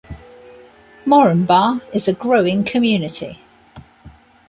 Moranbah is a growing community.